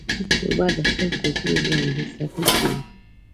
کوربه د خپل کلتور ژوندي ساتونکی وي.